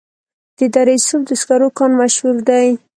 د دره صوف د سکرو کان مشهور دی